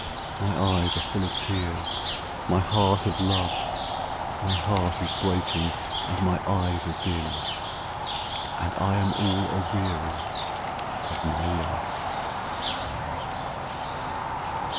My eyes are full of tears, my heart of love, 30 My heart is breaking, and my eyes are dim, And I am all aweary of my life.'